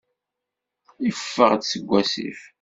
Yeffeɣ-d seg wasif.